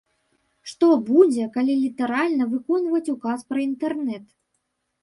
Што будзе, калі літаральна выконваць указ пра інтэрнэт?